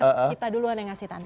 kita duluan yang ngasih tanda